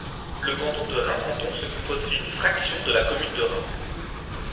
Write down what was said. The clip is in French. Le canton de Reims Canton se composait d’une fraction de la commune de Reims.